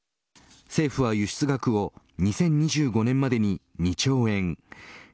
政府は輸出額を２０２５年までに２兆円